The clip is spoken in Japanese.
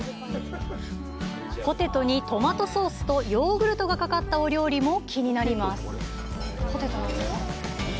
ポテトにトマトソースとヨーグルトがかかったお料理も気になります。